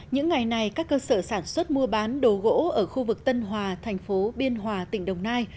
những ngày này các cơ sở sản xuất mua bán đồ gỗ ở khu vực tân hòa thành phố biên hòa tỉnh đồng nai